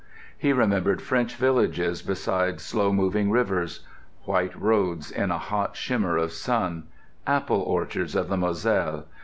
He remembered French villages beside slow moving rivers; white roads in a hot shimmer of sun; apple orchards of the Moselle.